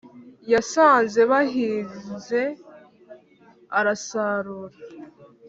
yasanze bahinze arasarura